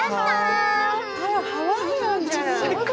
ハワイアンじゃない。